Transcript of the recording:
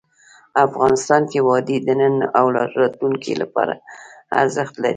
افغانستان کې وادي د نن او راتلونکي لپاره ارزښت لري.